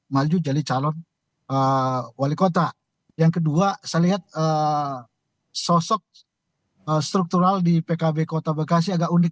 maju jadi calon wali kota yang kedua saya lihat sosok struktural di pkb kota bekasi agak unik